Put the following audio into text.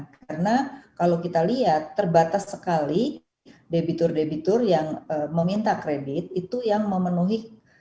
karena kalau kita lihat terbatas sekali debitur debitur yang meminta kredit itu yang memenuhi